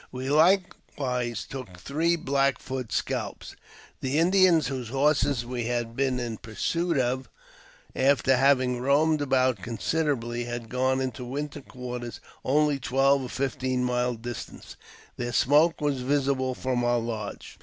We likewise took three Black Foot scalps. The|H Indians whose horses we had been in pursuit of, after ■ having roamed about considerably, had got into winter quarters only twelve or fifteen miles distant ; their smoke was visible from our lodge.